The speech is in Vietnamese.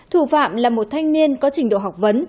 thủ phạm là một thanh niên có trình độ học vấn